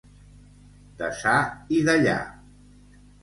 Deçà i dellà.